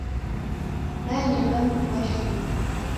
Nanyelwa ni vua shuu.